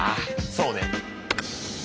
そうね。